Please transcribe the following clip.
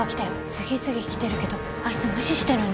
次々きてるけどあいつ無視してるんだ。